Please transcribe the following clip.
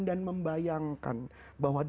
dan membayangkan bahwa